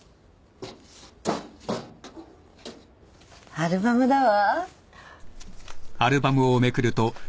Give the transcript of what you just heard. アルバムだわ。